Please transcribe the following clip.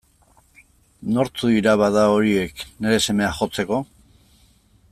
Nortzuk dira, bada, horiek, nire semea jotzeko?